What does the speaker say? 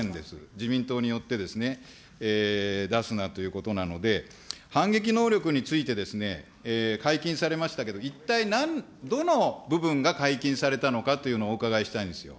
自民党によってですね、出すなということなので、反撃能力について解禁されましたけど、一体どの部分が解禁されたのかというのをお伺いしたいんですよ。